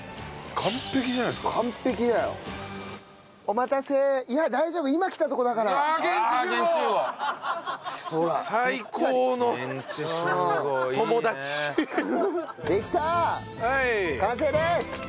完成です！